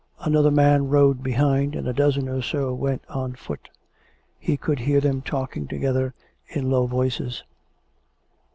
Another man rode behind; and a dozen or so went on foot. He could hear them talking together in low voices.